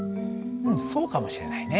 うんそうかもしれないね。